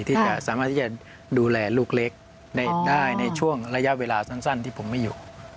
ที่จะสามารถที่จะดูแลลูกเล็กได้ในช่วงระยะเวลาสั้นที่ผมไม่อยู่